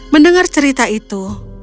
mendengar cerita itu